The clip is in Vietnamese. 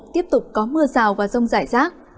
tiếp tục có mưa rào và rông rải rác